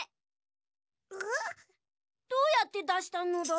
どうやってだしたのだ？